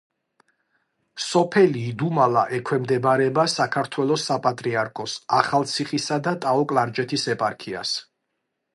სოფელი იდუმალა ექვემდებარება საქართველოს საპატრიარქოს ახალციხისა და ტაო-კლარჯეთის ეპარქიას.